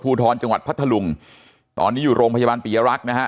ทรจังหวัดพัทธลุงตอนนี้อยู่โรงพยาบาลปียรักษ์นะฮะ